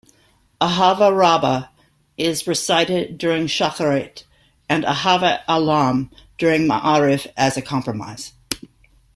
Ahava rabbah is recited during Shacharit, and Ahavat Olam during Maariv as a compromise.